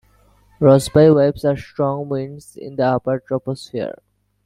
Rossby waves are strong winds in the upper troposphere.